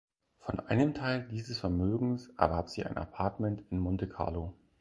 Von einem Teil dieses Vermögens erwarb sie ein Appartement in Monte Carlo.